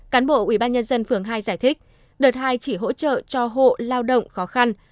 cán bộ ubnd phường hai giải thích đợt hai chỉ hỗ trợ cho hộ lao động khó khăn